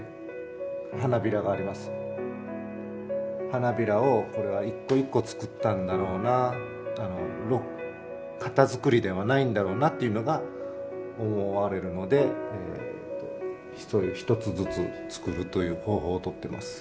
花びらをこれは一個一個つくったんだろうな型づくりではないんだろうなっていうのが思われるので１つずつつくるという方法をとってます。